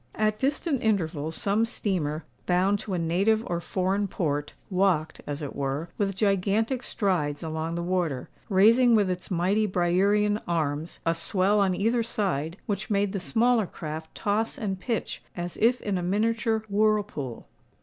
At distant intervals some steamer, bound to a native or foreign port, walked, as it were, with gigantic strides along the water, raising with its mighty Briarean arms, a swell on either side, which made the smaller craft toss and pitch as if in a miniature whirlpool.